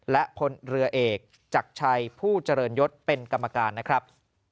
และพลเรือเอกจักรชัยผู้เจริญยศเป็นกรรมการนะครับ